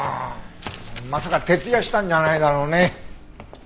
まさか徹夜したんじゃないだろうね？